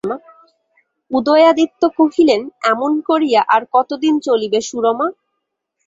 উদয়াদিত্য কহিলেন, এমন করিয়া আর কতদিন চলিবে সুরমা?